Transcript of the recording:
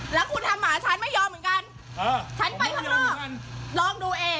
แล้วคุณทำหมาฉันไม่ยอมเหมือนกันฉันไปข้างนอกลองดูเอง